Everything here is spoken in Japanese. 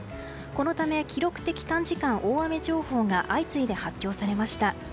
このため記録的短時間大雨情報が相次いで発表されました。